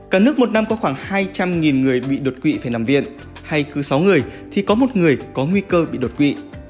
cả nước một năm có khoảng hai trăm linh người bị đột quỵ phải nằm viện hay cứ sáu người thì có một người có nguy cơ bị đột quỵ